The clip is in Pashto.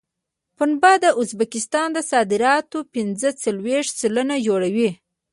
پنبه د ازبکستان د صادراتو پنځه څلوېښت سلنه جوړوي.